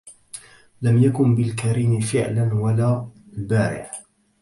لم يكن بالكريم فعلا ولا البارع